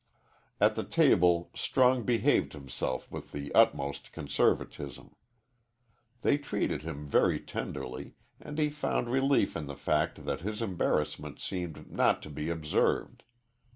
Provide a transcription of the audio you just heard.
At the table Strong behaved himself with the utmost conservatism. They treated him very tenderly, and he found relief in the fact that his embarrassment seemed not to be observed.